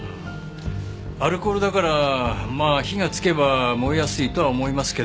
アルコールだからまあ火がつけば燃えやすいとは思いますけど。